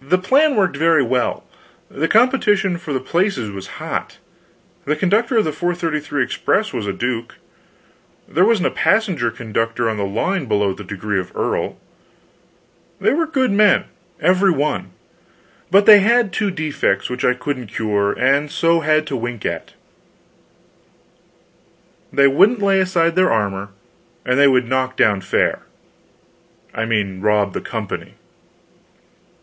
The plan worked very well, the competition for the places was hot. The conductor of the 4.33 express was a duke; there wasn't a passenger conductor on the line below the degree of earl. They were good men, every one, but they had two defects which I couldn't cure, and so had to wink at: they wouldn't lay aside their armor, and they would "knock down" fare I mean rob the company.